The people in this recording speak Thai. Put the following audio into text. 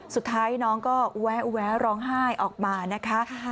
สุดท้ายน้องก็แวะร้องไห้ออกมานะคะ